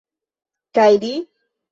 Kaj li?